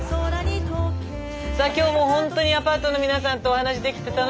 さあ今日もほんとにアパートの皆さんとお話しできて楽しかったです。